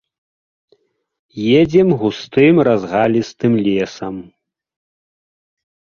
Едзем густым разгалістым лесам.